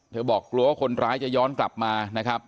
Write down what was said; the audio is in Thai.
บอกกลัวว่าคนร้ายจะย้อนกลับมานะครับ